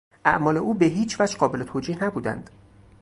اعمال او به هیچوجه قابل توجیه نبودند.